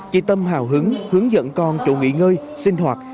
chị tâm hào hứng hướng dẫn con chỗ nghỉ ngơi sinh hoạt